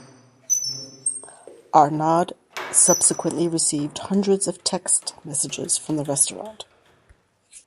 Arnaud subsequently received hundreds of text messages from the restaurant.